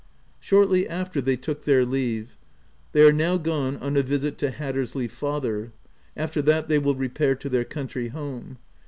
Shortly after, they took their leave. They are now gone on a visit to Hattersley's father. After that, they will repair to their country home.